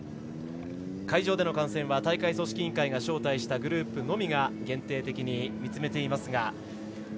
会場での観戦は大会組織委員会が招待したグループのみが限定的に見つめています。